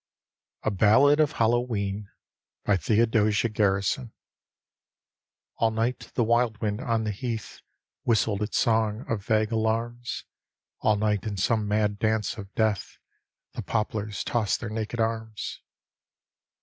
A BALLAD OF HALLOWE'EN : theodosia All night the wild wind on the heath Whistled its song of vague alarms; All night in some mad dance of death The poplars tossed their naked arms.